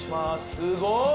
すごい。